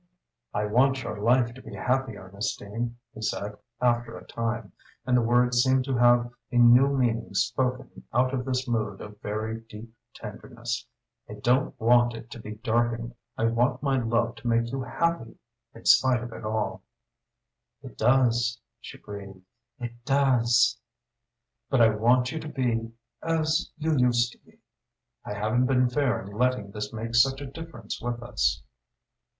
"I want your life to be happy, Ernestine," he said, after a time, and the words seemed to have a new meaning spoken out of this mood of very deep tenderness. "I don't want it to be darkened. I want my love to make you happy in spite of it all." "It does," she breathed, "it does." "But I want you to be as you used to be! I haven't been fair in letting this make such a difference with us."